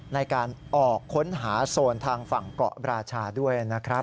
ในการออกค้นหาโซนทางฝั่งเกาะราชาด้วยนะครับ